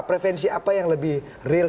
prevensi apa yang lebih real